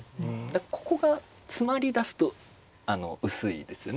ここが詰まりだすと薄いですね。